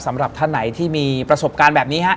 สำหรับท่านไหนที่มีประสบการณ์แบบนี้ฮะ